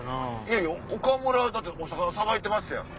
いや岡村だってお魚さばいてますやん。